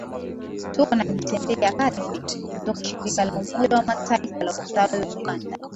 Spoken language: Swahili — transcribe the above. Tuko na Vitendea kazi kutoka Shirika la Umoja wa Mataifa la Ustawi wa Viwanda